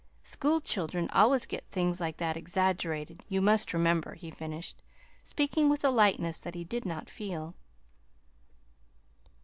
School children always get things like that exaggerated, you must remember," he finished, speaking with a lightness that he did not feel.